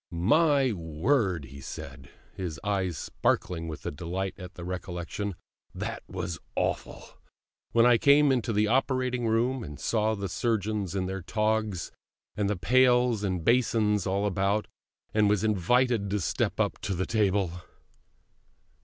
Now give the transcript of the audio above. "My word," he said, his eyes sparkling with delight at the recollection, "that was awful, when I came into the operating room, and saw the surgeons in their togs, and the pails and basins all about, and was invited to step up to the table!"